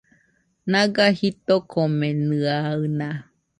Naga jitokomenɨaɨna